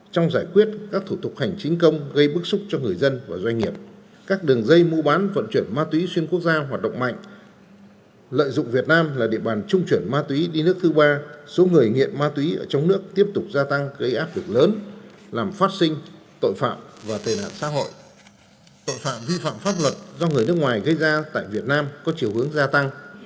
trong giải quyết các thủ tục hành chính công gây bức xúc cho người dân và doanh nghiệp các đường dây mu bán vận chuyển ma túy xuyên quốc gia hoạt động mạnh lợi dụng việt nam là địa bàn trung chuyển ma túy đi nước thứ ba số người nghiện ma túy ở trong nước tiếp tục gia tăng gây áp lực lớn làm phát sinh tội phạm và tề nạn xã hội tội phạm vi phạm pháp luật do người nước ngoài gây ra tại việt nam có chiều hướng gia tăng